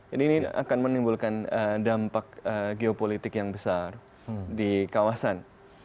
jadi ini akan menimbulkan dampak geopolitik yang besar di kawasan